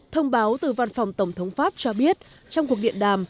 thông báo từ văn phòng tổng thống pháp cho biết trong cuộc điện đàm